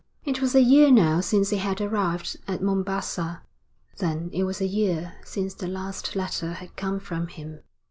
It was a year now since he had arrived at Mombassa, then it was a year since the last letter had come from him.